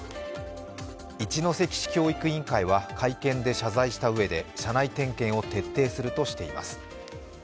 一関市教育委員会は会見で謝罪したうえで車内点検を徹底するとしています。